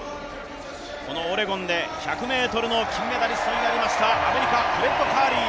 オレゴンで１００ｍの金メダリストになりましたアメリカ、フレッド・カーリー。